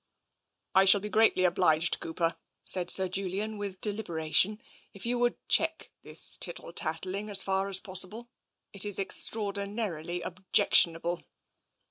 " I shall be greatly obliged. Cooper," said Sir Julian with deliberation, "if you would check this tittle tattling, as far as possible. It is extraordinarily ob jectionable."